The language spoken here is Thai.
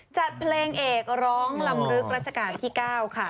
จัดเพลงเอกร้องลำลึกรัชกาลที่๙ค่ะ